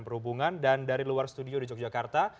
perhubungan dan dari luar studio di yogyakarta